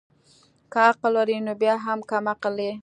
که عقل ولري نو بيا هم کم عقل يي